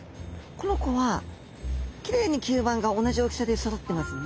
この子はきれいに吸盤が同じ大きさでそろってますね。